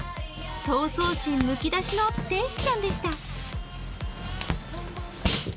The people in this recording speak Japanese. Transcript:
闘争心むき出しの天使ちゃんでした。